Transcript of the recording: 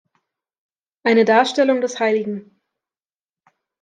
Eine Darstellung des hl.